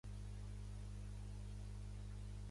Ara es fa amb el Papa, sí.